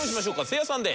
せいやさんで。